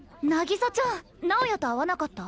渚ちゃん直也と会わなかった？